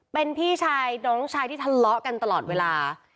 เป็นพี่ชายน้องชายที่ทะเลาะกันตลอดเวลา